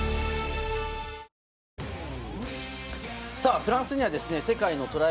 フランスには世界のトライ